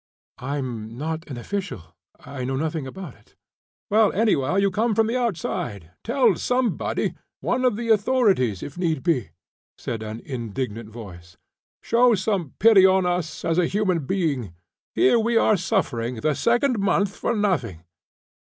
"I am not an official. I know nothing about it." "Well, anyhow, you come from outside; tell somebody one of the authorities, if need be," said an indignant voice. "Show some pity on us, as a human being. Here we are suffering the second month for nothing."